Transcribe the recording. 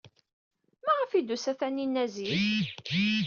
Maɣef ay d-tusa Taninna zik?